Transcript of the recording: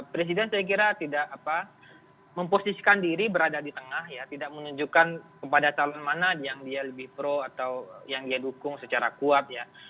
presiden saya kira tidak memposisikan diri berada di tengah ya tidak menunjukkan kepada calon mana yang dia lebih pro atau yang dia dukung secara kuat ya